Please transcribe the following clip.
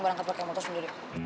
barang kata kemotos sendiri